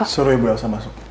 suruh ibu elsa masuk